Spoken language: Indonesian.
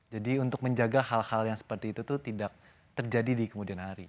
jadi untuk menjaga hal hal yang seperti itu tuh tidak terjadi di kemudian hari